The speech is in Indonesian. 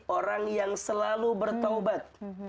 orang yang selalu bertaubat